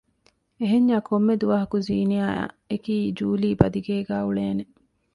އެހެންޏާ ކޮންމެދުވަހަކު ޒީނިޔާ އެކީ ޖޫލީ ބަދިގޭގައި އުޅޭނެ